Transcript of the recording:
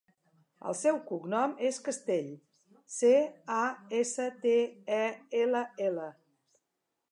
El seu cognom és Castell: ce, a, essa, te, e, ela, ela.